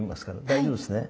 大丈夫ですね？